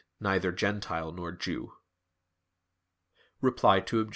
"neither Gentile nor Jew"). Reply Obj.